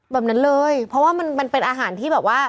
แบบนั้นเลยเพราะว่ามันมันเป็นอาหารที่แบบว่า